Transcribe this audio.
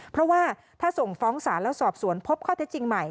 เพราะว่าถ้าส่งฟ้องศาลแล้วสอบสวนพบข้อเท็จจริงใหม่